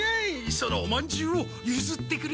そのおまんじゅうをゆずってくれ。